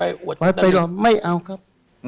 ไปอวดตะเลียไปรอไม่เอาครับ